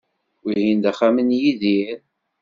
Wihin d axxam n Yidir.